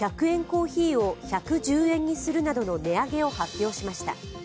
コーヒーを１１０円にするなどの値上げを発表しました。